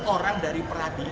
orang dari pradi